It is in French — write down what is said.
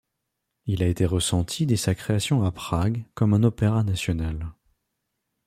Il a été ressenti dès sa création à Prague comme un opéra national.